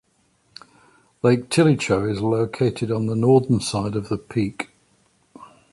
Lake Tilicho is located on the northern side of the peak.